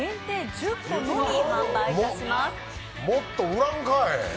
もっと売らんかい！